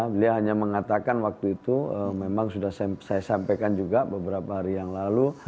beliau hanya mengatakan waktu itu memang sudah saya sampaikan juga beberapa hari yang lalu